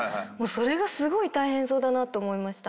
それがすごい大変そうだなと思いました。